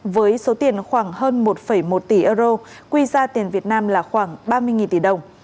với số tiền khoảng hơn một một tỷ euro quy ra tiền việt nam là khoảng ba mươi tỷ đồng